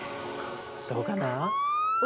どうかな？